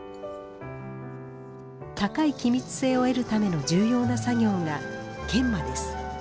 高い気密性を得るための重要な作業が研磨です。